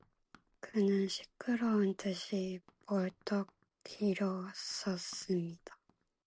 그는 시끄러운 듯이 벌떡 일어섰습니다.